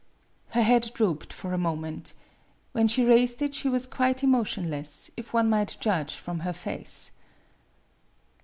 Her head drooped for a moment. When she raised it she was quite emotionless, if one might judge from her face.